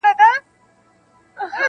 دا هغه بېړۍ ډوبیږي چي مي نکل وو لیکلی -